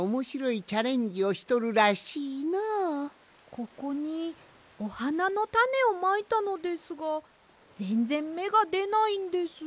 ここにおはなのたねをまいたのですがぜんぜんめがでないんです。